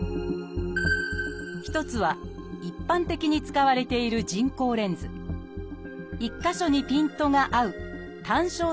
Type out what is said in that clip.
一つは一般的に使われている人工レンズ一か所にピントが合う単焦点レンズです。